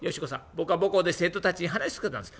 僕は母校で生徒たちに話し続けたんです」。